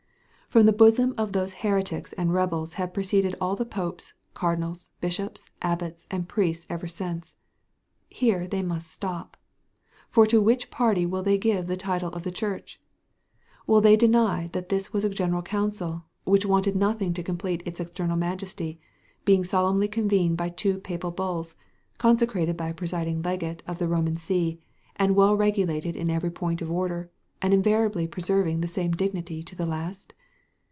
From the bosom of those heretics and rebels have proceeded all the popes, cardinals, bishops, abbots, and priests ever since. Here they must stop. For to which party will they give the title of the Church? Will they deny that this was a general council, which wanted nothing to complete its external majesty, being solemnly convened by two papal bulls, consecrated by a presiding legate of the Roman see, and well regulated in every point of order, and invariably preserving the same dignity to the last?